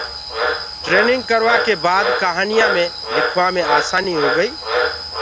ٽرينگ ڪروآ ڪي باد ڪهانيونٚ مي لِکوآ مي آساني هوگئي۔